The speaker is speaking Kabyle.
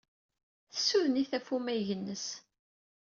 Tessuden-it ɣef umayeg-nnes.